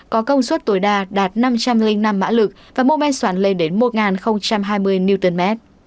có công suất tối đa đạt năm trăm linh năm mã lực và mô men soạn lên đến một hai mươi nm